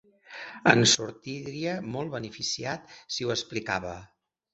En sortiria molt beneficiat si ho explicava.